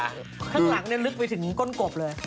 ข้างหลังลึกไปถึงก้นกบเลย